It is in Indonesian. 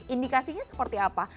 indikasinya seperti apa